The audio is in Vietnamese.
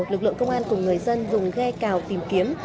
lực lượng công an cùng người dân dùng ghe cào tìm kiếm